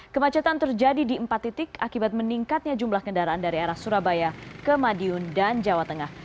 kemacetan terjadi di empat titik akibat meningkatnya jumlah kendaraan dari arah surabaya ke madiun dan jawa tengah